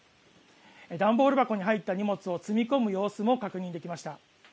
段ボール箱に入った荷物を積み込む様子も確認できました。